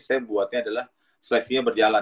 saya buatnya adalah seleksinya berjalan